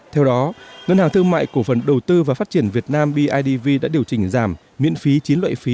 theo đó ngân hàng thương mại cổ phần đầu tư và phát triển việt nam bidv đã điều chỉnh giảm miễn phí chín loại phí